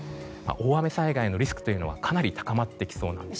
大雨災害のリスクはかなり高まってきそうです。